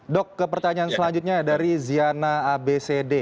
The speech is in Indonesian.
dok ke pertanyaan selanjutnya dari ziana abcd